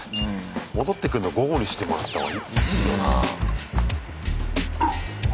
戻ってくんの午後にしてもらったほうがいいよな。